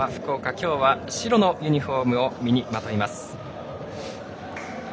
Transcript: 今日は白のユニフォームを身にまといます。